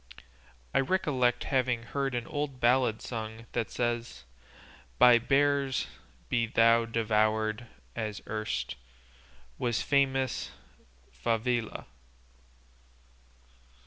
I recollect having heard an old ballad sung that says, By bears be thou devoured, as erst Was famous Favila."